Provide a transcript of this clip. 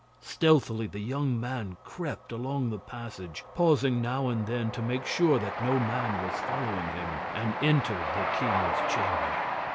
Stealthily the young man crept along the passage, pausing now and then to make sure that no man was following him, and entered the king's chamber.